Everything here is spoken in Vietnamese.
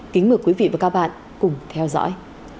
kính mời quý vị và các bạn cùng theo dõi